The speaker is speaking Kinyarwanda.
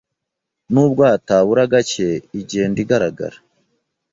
n’ubwo hatabura hake igenda igaragara